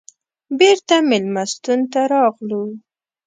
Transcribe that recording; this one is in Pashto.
بېرته مېلمستون ته راغلو.